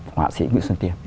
họa sĩ nguyễn xuân tiên